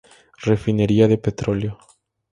Refinería de petróleo.